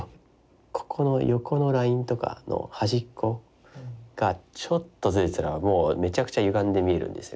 ここの横のラインとかの端っこがちょっとずれてたらもうめちゃくちゃゆがんで見えるんですよ